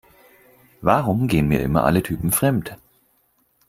Warum gehen mir immer alle Typen fremd?